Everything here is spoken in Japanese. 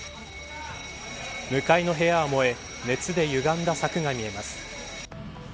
向かいの部屋は燃え熱でゆがんだ柵が見えます。